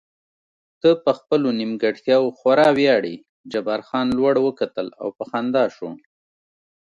ته په خپلو نیمګړتیاوو خورا ویاړې، جبار خان لوړ وکتل او په خندا شو.